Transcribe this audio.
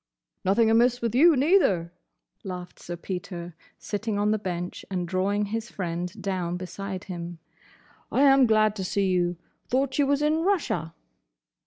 "Nothing amiss with you, neither," laughed Sir Peter, sitting on the bench and drawing his friend down beside him. "I am glad to see you! Thought you was in Russia."